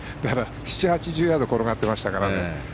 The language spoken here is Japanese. ７０８０ヤード転がってましたからね。